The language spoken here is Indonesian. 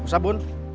pak sabun pak